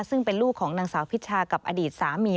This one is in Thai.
ซึ่งเป็นลูกของนางสาวพิชากับอดีตสามี